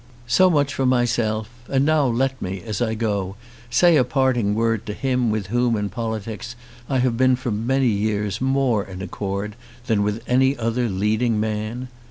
So much for myself. And now let me, as I go, say a parting word to him with whom in politics I have been for many years more in accord than with any other leading man.